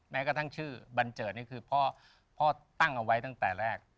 แม้กระทั่งชื่อบันเจิดนี่คือพ่อพ่อตั้งเอาไว้ตั้งแต่แรก